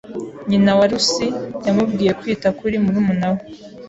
Nyina wa Lucy yamubwiye kwita kuri murumuna we.